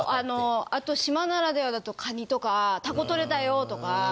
あと島ならではだとカニとかタコとれたよとか。